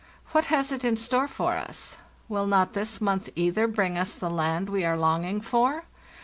What has it in store for us? Will not this month, either, bring us the land we are longing for?